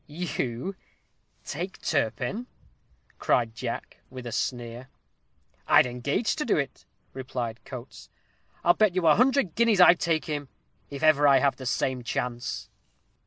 "You take Turpin?" cried Jack, with a sneer. "I'd engage to do it," replied Coates. "I'll bet you a hundred guineas I take him, if I ever have the same chance."